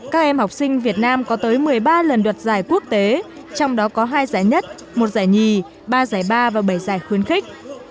các em học sinh việt nam có tới một mươi ba lần đoạt giải quốc tế trong đó có hai giải nhất một giải nhì ba giải ba và bảy giải khuyến khích